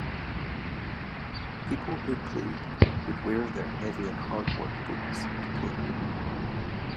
People who played would wear their heavy and hard work boots to play.